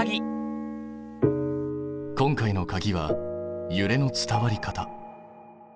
今回のかぎはゆれの伝わり方。